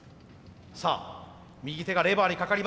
さあ右手がレバーにかかります。